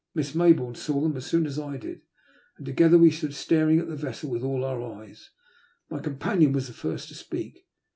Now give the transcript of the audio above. Miss Maybonme saw them as soon as I did, and together we stood staring at the vessel with all our eyes. My companion was the first to speak.